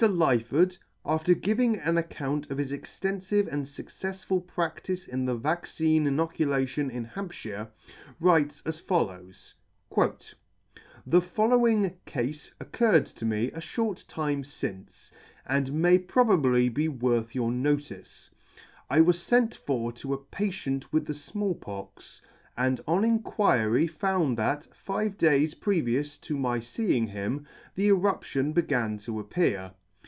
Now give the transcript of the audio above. Lyford, after giving an account of his extenfive and fuccefsful pra&ice in the vaccine inoculation in Hampfhire, writes as follows i The following Cafe occurred to me a fhort time flnce, and may [ 168 ] may probably be worth your notice. I was Tent for to a patient with the Small Pox, and on inquiry found that, five days previous to my feeing him, the eruption began to appear.